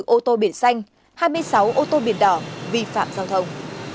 một ô tô biển xanh hai mươi sáu ô tô biển đỏ vi phạm giao thông